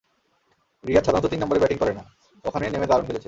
রিয়াদ সাধারণত তিন নম্বরে ব্যাটিং করে না, ওখানে নেমে দারুণ খেলেছে।